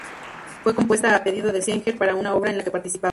Fue compuesta a pedido de Seeger para una obra en la que participaba.